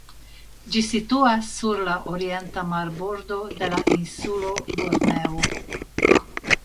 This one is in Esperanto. Ĝi situas sur la orienta marbordo de la insulo Borneo.